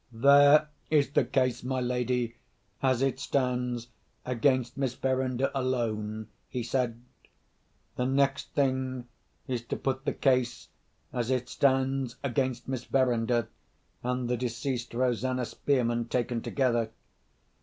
"There is the case, my lady, as it stands against Miss Verinder alone," he said. "The next thing is to put the case as it stands against Miss Verinder and the deceased Rosanna Spearman taken together.